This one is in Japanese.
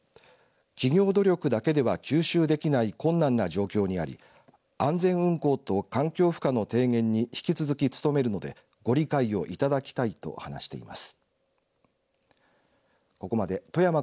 立山黒部貫光は企業努力だけでは吸収できない困難な状況にあり安全運行と環境負荷の低減に引き続き努めるのでご理解をいただきたいと話しています。